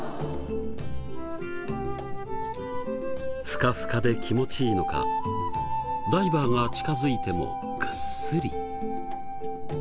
ふかふかで気持ちいいのかダイバーが近づいてもぐっすり。